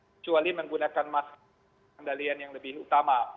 kecuali menggunakan masker kendalian yang lebih utama